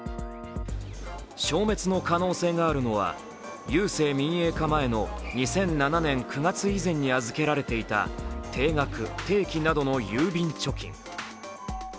消滅の可能性があるのは郵政民営化前の２００７年９月以前に預けられていた定額、定期などの郵便貯金。